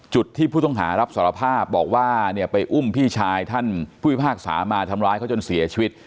จุดที่ผู้ต้องหารับสารภาพบอกว่าเนี่ยไปอุ้มพี่ชายท่านผู้พิพากษามาทำร้ายเขาจนเสียชีวิต